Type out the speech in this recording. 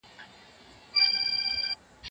دی په ارامه غږ له خپلې لور سره غږېده.